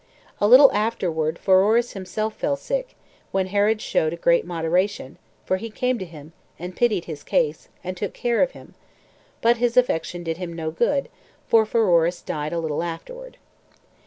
A little afterward Pheroras himself fell sick, when Herod showed great moderation; for he came to him, and pitied his case, and took care of him; but his affection for him did him no good, for Pheroras died a little afterward.